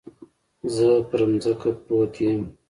زه پر ځمکه پروت يم.